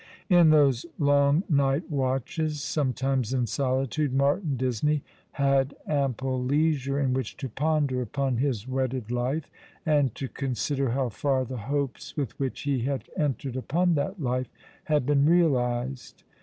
In those long night watches, sometimes in solitude, Martin Disney had ample leisure in which to ponder upon his wedded life, and to consider how far the hopes with which he had entered upon that life had been realized.